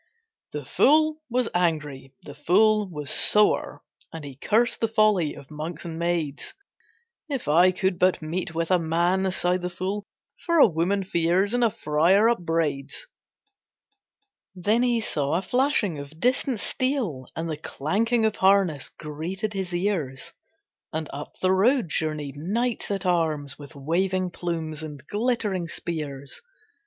The fool was angry, the fool was sore, And he cursed the folly of monks and maids. "If I could but meet with a man," sighed the fool, "For a woman fears, and a friar upbraids." Then he saw a flashing of distant steel And the clanking of harness greeted his ears, And up the road journeyed knights at arms, With waving plumes and glittering spears.